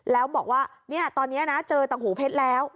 แล้วบอกว่าตอนนี้นะเจอตังหูเพชรแล้ว